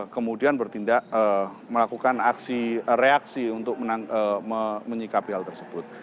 kemudian melakukan reaksi untuk menyikapi hal tersebut